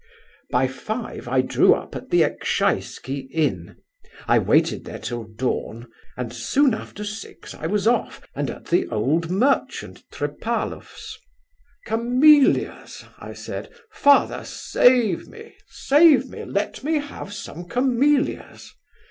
"By five I drew up at the Ekshaisky inn. I waited there till dawn, and soon after six I was off, and at the old merchant Trepalaf's. "'Camellias!' I said, 'father, save me, save me, let me have some camellias!